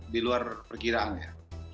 di luar perkiraannya